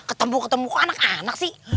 ketemu ketemu anak anak sih